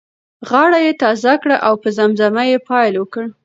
غاړه یې تازه کړه او په زمزمه یې پیل وکړ.